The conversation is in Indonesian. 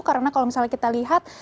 karena kalau misalnya kita lihat